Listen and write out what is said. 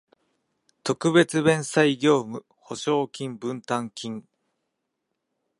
特別弁済業務保証金分担金